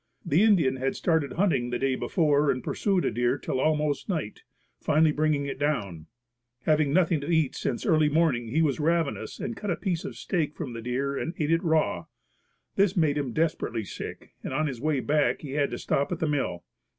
The Indian had started hunting the day before and pursued a deer till almost night, finally bringing it down. Having had nothing to eat since early morning he was ravenous and cut a piece of steak from the deer and ate it raw. This made him desperately sick and on his way back he had to stop at the mill.